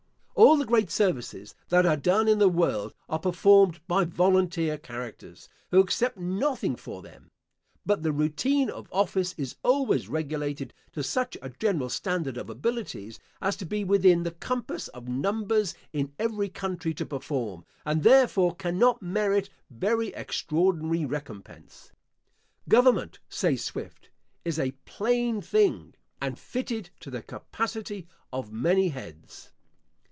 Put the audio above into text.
All the great services that are done in the world are performed by volunteer characters, who accept nothing for them; but the routine of office is always regulated to such a general standard of abilities as to be within the compass of numbers in every country to perform, and therefore cannot merit very extraordinary recompense. Government, says Swift, is a Plain thing, and fitted to the capacity of many heads.